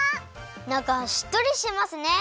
なかはしっとりしてますね！